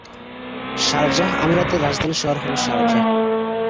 Sharjah আমিরাতের রাজধানী শহর হলো "শারজাহ"।